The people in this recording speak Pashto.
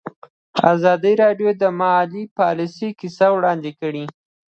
ازادي راډیو د مالي پالیسي کیسې وړاندې کړي.